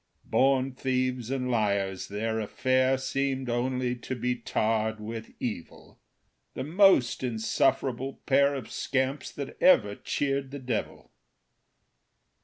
Born thieves and liars, their affair Seemed only to be tarred with evil The most insufferable pair Of scamps that ever cheered the devil.